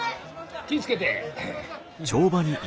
気ぃ付けて！